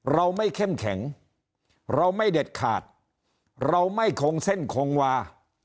เราไม่เข้มแข็งเราไม่เด็ดขาดเราไม่คงเส้นคงวา